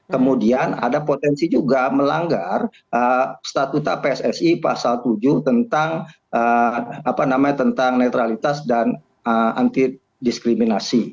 kemudian ada potensi juga melanggar statuta pssi pasal tujuh tentang netralitas dan anti diskriminasi